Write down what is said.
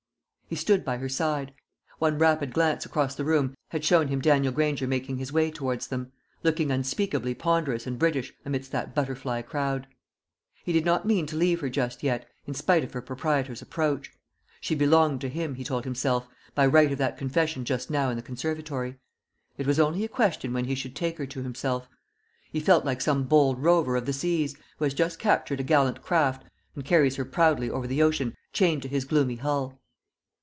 He stood by her side. One rapid glance across the room had shown him Daniel Granger making his way towards them, looking unspeakably ponderous and British amidst that butterfly crowd. He did not mean to leave her just yet, in spite of her proprietor's approach. She belonged to him, he told himself, by right of that confession just now in the conservatory. It was only a question when he should take her to himself. He felt like some bold rover of the seas, who has just captured a gallant craft, and carries her proudly over the ocean chained to his gloomy hull.